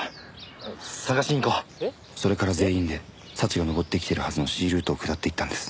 それから全員で早智が登ってきているはずのＣルートを下っていったんです。